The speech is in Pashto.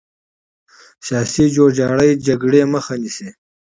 سیاسي جوړجاړی جګړې مخه نیسي